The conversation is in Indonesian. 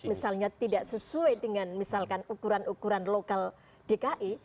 misalnya tidak sesuai dengan misalkan ukuran ukuran lokal dki